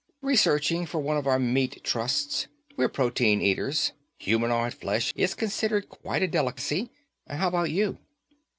"Researching for one of our meat trusts. We're protein eaters. Humanoid flesh is considered quite a delicacy. How about you?"